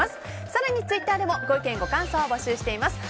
更にツイッターでもご意見、ご感想を募集しています。